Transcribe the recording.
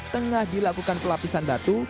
tengah dilakukan pelapisan batu